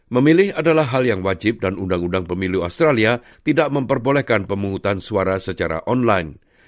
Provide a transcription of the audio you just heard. memilih adalah hal yang wajib dan undang undang pemilu australia tidak memperbolehkan pemungutan suara secara online